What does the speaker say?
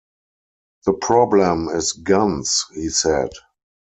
"The problem is guns," he said.